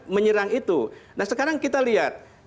menyerang itu nah sekarang kita lihat